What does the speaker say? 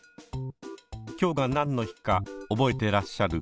今日が何の日か覚えてらっしゃる？